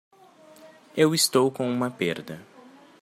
Eu estou com uma perda